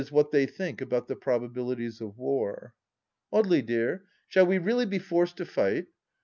what they think about the probabilities of war. " Audely, dear, shall we really be forced to fight